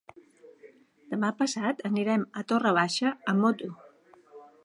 Demà passat anirem a Torre Baixa amb moto.